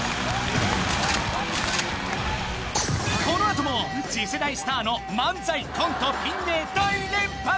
このあとも次世代スターの漫才・コント・ピン芸大連発！